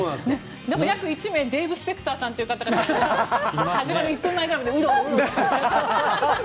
でも約１名デーブ・スペクターさんという方が始まる１分前ぐらいまでウロウロしているので。